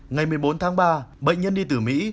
ngày một mươi bốn tháng ba bệnh nhân đi từ mỹ